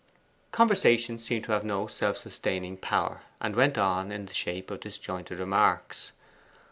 Conversation seemed to have no self sustaining power, and went on in the shape of disjointed remarks.